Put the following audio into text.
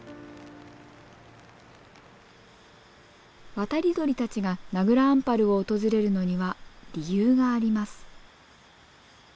渡り鳥たちが名蔵アンパルを訪れるのには理由があります。